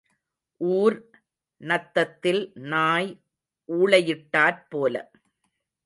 ஊர் நத்தத்தில் நாய் ஊளையிட்டாற் போல.